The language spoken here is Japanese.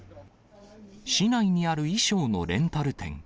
市内にある衣装のレンタル店。